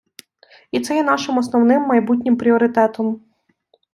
І це є нашим основним майбутнім пріоритетом.